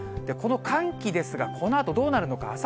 この寒気ですが、このあと、どうなるのか。